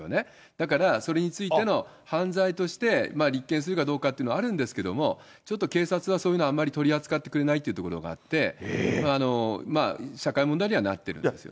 だからそれについての犯罪として立件するかどうかというのはあるんですけども、ちょっと警察はそういうのあんまり取り扱ってくれないっていうところがあって、社会問題にはなってるわけですよね。